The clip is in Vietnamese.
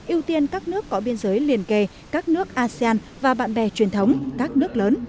ưu tiên các nước có biên giới liên kề các nước asean và bạn bè truyền thống các nước lớn